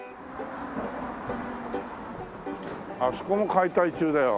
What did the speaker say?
あそこも解体中だよ。